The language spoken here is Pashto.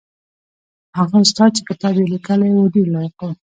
هغه استاد چې کتاب یې لیکلی و ډېر لایق و.